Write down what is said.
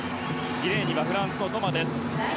２レーンはフランスのトマです。